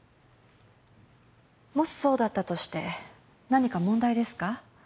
もしそうだったとして何か問題ですか？